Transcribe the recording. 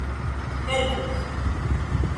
helpus